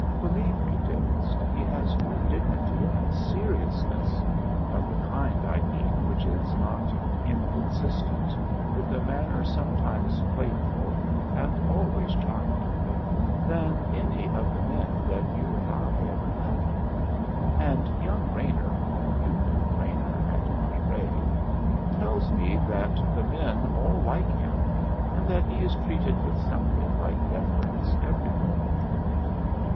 Believe me, dearest, he has more dignity and seriousness (of the kind, I mean, which is not inconsistent with a manner sometimes playful and always charming) than any of the men that you and I ever met. And young Raynor you knew Raynor at Monterey tells me that the men all like him and that he is treated with something like deference everywhere.